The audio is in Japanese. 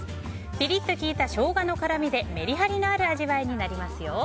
ピリッと効いたショウガの辛味でメリハリのある味わいになりますよ。